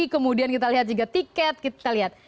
kemudian kita lihat juga tiket